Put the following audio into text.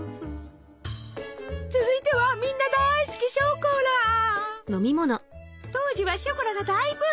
続いてはみんな大好き当時はショコラが大ブーム！